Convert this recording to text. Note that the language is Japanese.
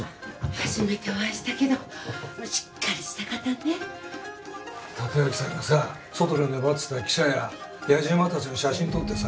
初めてお会いしたけどしっかりした方ね立脇さんがさ外で粘ってた記者ややじ馬達の写真撮ってさ